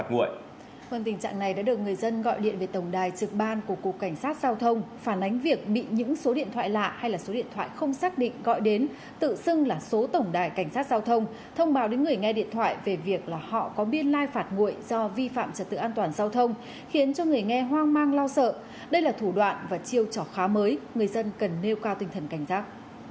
gọi điện về tổng đài trực ban của cục cảnh sát giao thông phản ánh việc bị những số điện thoại lạ hay là số điện thoại không xác định gọi đến tự xưng là số tổng đài cảnh sát giao thông thông báo đến người nghe điện thoại về việc là họ có biên lai phạt nguội do vi phạm trật tự an toàn giao thông khiến cho người nghe hoang mang lo sợ đây là thủ đoạn và chiêu trò khá mới người dân cần nêu cao tinh thần cảnh giác